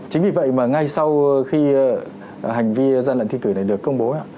chính vì vậy mà ngay sau khi hành vi gian lận thi cử này được công bố